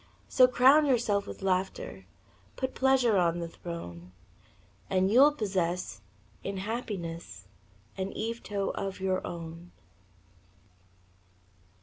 So, crown yourself with laughter, Put pleasure on the throne, And you'll possess in happiness An Yvetot of your own.